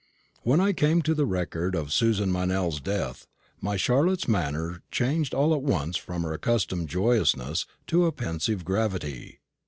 When I came to the record of Susan Meynell's death, my Charlotte's manner changed all at once from her accustomed joyousness to a pensive gravity.